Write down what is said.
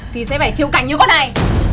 thì sẽ phải chịu cảnh như con này